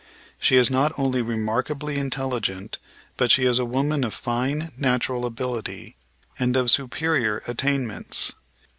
She is not only remarkably intelligent, but she is a woman of fine natural ability and of superior attainments.